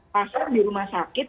pasar di rumah sakit